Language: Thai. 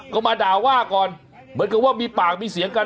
ก็มาด่าว่าก่อนเหมือนกับว่ามีปากมีเสียงกัน